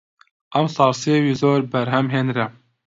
ئەمساڵ سێوی زۆر بەرهەم هێنرا